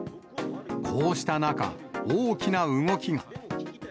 こうした中、大きな動きが。